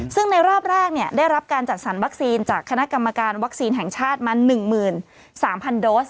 ซึ่งในรอบแรกได้รับการจัดสรรวัคซีนจากคณะกรรมการวัคซีนแห่งชาติมา๑๓๐๐โดส